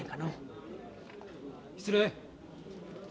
失礼。